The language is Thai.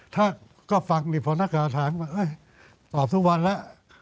ถ้าก็ฟังนี่พอนักข่าวถามก็ตอบทุกวันแล้ว